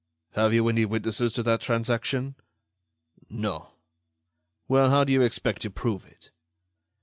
"Have you any witnesses to that transaction?" "No." "Well, how do you expect to prove it?"